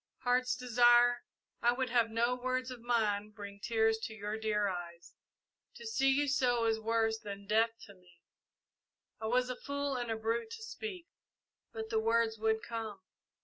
"Heart's Desire, I would have no words of mine bring tears to your dear eyes. To see you so is worse than death to me. I was a fool and a brute to speak, but the words would come.